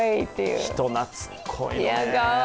人懐っこいのね。